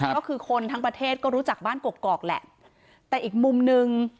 ก็คือคนทั้งประเทศก็รู้จักบ้านกกอกแหละแต่อีกมุมหนึ่ง